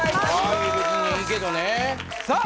はい別にいいけどねさあ